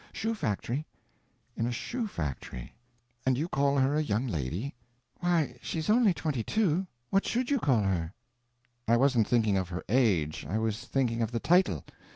Shoe factory." "In a shoe factory; and you call her a young lady?" "Why, she's only twenty two; what should you call her?" "I wasn't thinking of her age, I was thinking of the title.